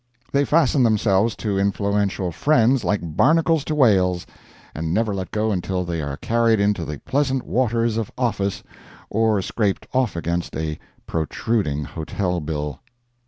They fasten themselves to influential friends like barnacles to whales, and never let go until they are carried into the pleasant waters of office or scraped off against a protruding hotel bill.